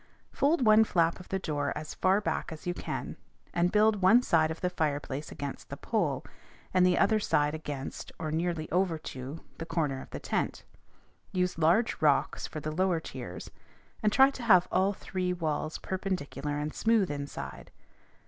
Fold one flap of the door as far back as you can, and build one side of the fireplace against the pole, and the other side against, or nearly over to, the corner of the tent. Use large rocks for the lower tiers, and try to have all three walls perpendicular and smooth inside.